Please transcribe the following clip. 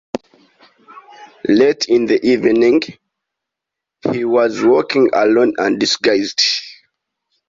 Late in the evening, he was walking alone and disguised.